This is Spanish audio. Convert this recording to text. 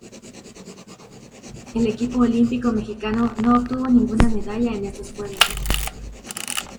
El equipo olímpico mexicano no obtuvo ninguna medalla en estos Juegos.